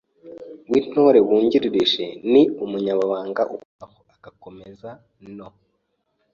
w’Intore wungirije ni Umunyamabanga Uhoraho agakomeza no